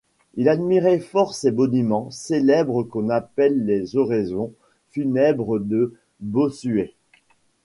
Il admirait fort ces boniments célèbres qu’on appelle les Oraisons funèbres de Bossuet.